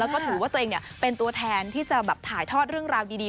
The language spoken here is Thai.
แล้วก็ถือว่าตัวเองเป็นตัวแทนที่จะแบบถ่ายทอดเรื่องราวดี